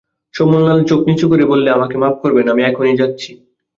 শোভনলাল চোখ নিচু করে বললে, আমাকে মাপ করবেন, আমি এখনই যাচ্ছি।